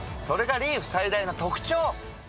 それがリーフ最大の特長！